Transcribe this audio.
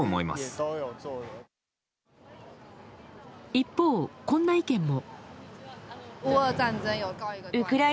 一方、こんな意見も。